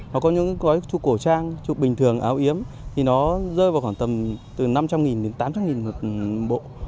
nó có những gói thuốc cổ trang chụp bình thường áo yếm thì nó rơi vào khoảng tầm từ năm trăm linh đến tám trăm linh một bộ